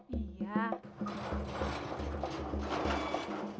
ini juga aku batuk